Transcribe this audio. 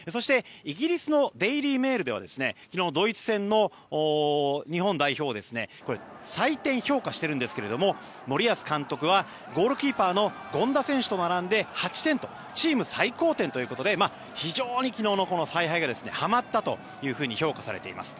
イギリスのデイリー・メールでは昨日のドイツ戦の日本代表を採点・評価しているんですが森保監督はゴールキーパーの権田選手と並んで８点とチーム最高点ということで非常に昨日の采配がはまったと評価されています。